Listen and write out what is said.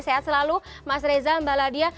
sehat selalu mas reza mbak ladiah